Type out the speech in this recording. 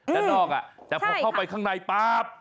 ด้านนอกแต่พอเข้าไปข้างในป๊าบ